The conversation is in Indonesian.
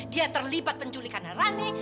dia terlibat penculikan rani